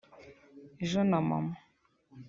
ejo na mama